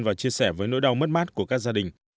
và chia sẻ với nỗi đau mất mát của các gia đình